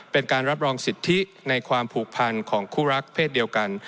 เป็นการรับรองสิทธิในความผูกพันของคู่รักเพศเดียวกัน